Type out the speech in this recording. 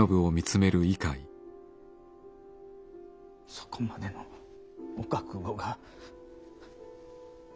そこまでのお覚悟が。